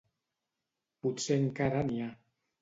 Potser encara n'hi ha.